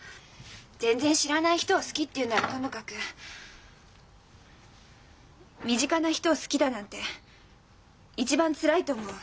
全然知らない人を好きっていうんならともかく身近な人を好きだなんて一番つらいと思う。